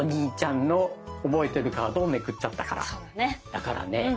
だからね